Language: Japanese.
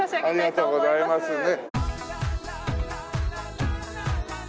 ありがとうございますね。